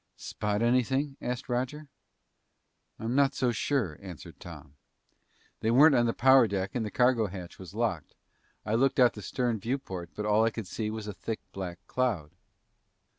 "Spot anything?" asked Roger. "I'm not so sure," answered Tom. "They weren't on the power deck and the cargo hatch was locked. I looked out the stern viewport, but all I could see was a thick black cloud."